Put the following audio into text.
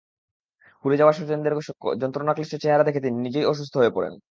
পুড়ে যাওয়া স্বজনদের যন্ত্রণাক্লিষ্ট চেহারা দেখে তিনি নিজেই অসুস্থ হয়ে পড়েন।